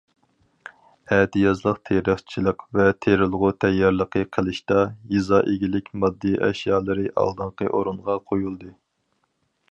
ئەتىيازلىق تېرىقچىلىق ۋە تېرىلغۇ تەييارلىقى قىلىشتا يېزا ئىگىلىك ماددىي ئەشيالىرى ئالدىنقى ئورۇنغا قويۇلدى.